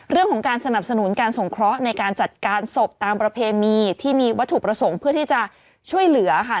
เรื่องของการสนับสนุนการสงเคราะห์ในการจัดการศพตามประเพณีที่มีวัตถุประสงค์เพื่อที่จะช่วยเหลือค่ะ